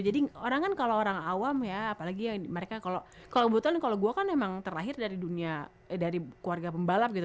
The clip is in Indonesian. jadi orang kan kalau orang awam ya apalagi mereka kalau kalau kebetulan kalau gue kan emang terlahir dari dunia dari keluarga pembalap gitu